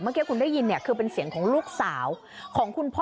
เมื่อกี้คุณได้ยินเนี่ยคือเป็นเสียงของลูกสาวของคุณพ่อ